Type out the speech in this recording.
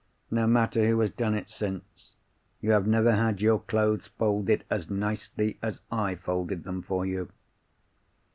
No matter who has done it since, you have never had your clothes folded as nicely as I folded them for you.